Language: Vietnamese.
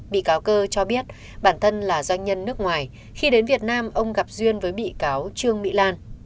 bị cáo cơ cho biết bản thân là doanh nhân nước ngoài khi đến việt nam ông gặp duyên với bị cáo trương mỹ lan